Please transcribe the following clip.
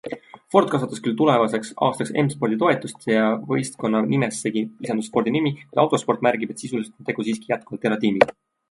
Ford kasvatas küll tulevaks aastaks M-Spordi toetust ja võistkonna nimessegi lisandus Fordi nimi, kuid Autosport märgib, et sisuliselt on tegu siiski jätkuvalt eratiimiga.